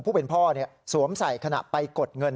ผู้เป็นพ่อสวมใส่ขณะไปกดเงิน